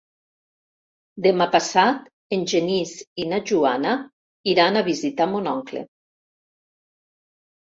Demà passat en Genís i na Joana iran a visitar mon oncle.